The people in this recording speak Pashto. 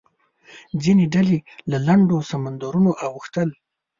ځینې ډلې له لنډو سمندرونو اوښتل.